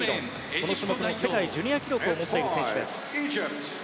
この種目の世界ジュニア記録を持っている選手です。